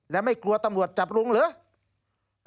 และไม่กลัวตำรวจจับลุงเหรอ